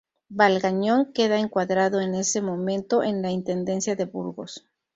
Valgañón queda encuadrado en ese momento en la Intendencia de Burgos.